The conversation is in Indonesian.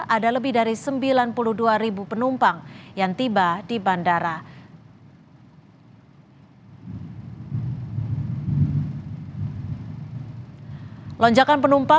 ada lebih dari sembilan puluh dua penumpang yang tiba di bandara